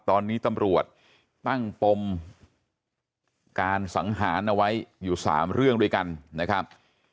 ตอนนี้ตำรวจตั้งปมการสังหารเอาไว้อยู่๓เรื่องด้วยกันนะครับ